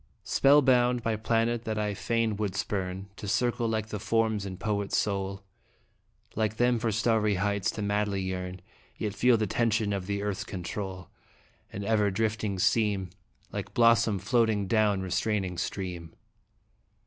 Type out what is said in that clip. "Merope mortalis nupsit." Spellbound, by planet that I fain would spurn, To circle like the forms in poet's soul, Like them for starry heights to madly yearn, Yet feel the tension of the Earth's control, And ever drifting seem Like blossom floating down restraining stream.